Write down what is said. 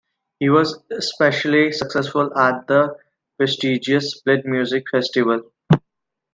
He was especially successful at the prestigious Split Music Festival.